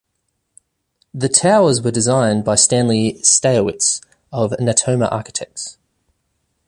The Towers were designed by Stanley Saitowits of Natoma Architects.